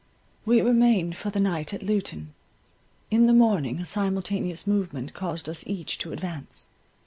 We remained for the night at Luton. In the morning a simultaneous movement caused us each to advance.